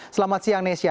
selamat siang nesya